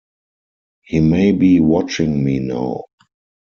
He may be watching me now.